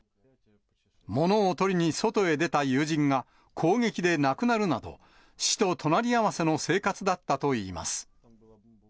物を取りに外へ出た友人が攻撃で亡くなるなど、死と隣り合わせの生活だったといいます。